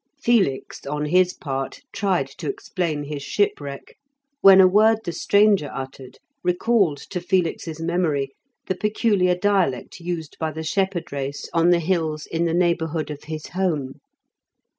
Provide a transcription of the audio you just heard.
Felix, on his part, tried to explain his shipwreck, when a word the stranger uttered recalled to Felix's memory the peculiar dialect used by the shepherd race on the hills in the neighbourhood of his home.